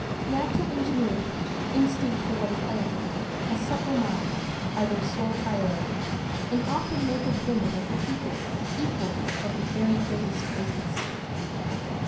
Natural ingenuity, instinct for what is elegant, a supple mind are their sole hierarchy, and often make of women of the people the equals of the very greatest ladies.